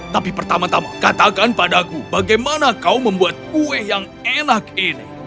tapi pertama tama katakan padaku bagaimana kau membuat kue yang enak ini